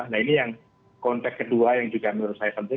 nah ini yang konteks kedua yang juga menurut saya penting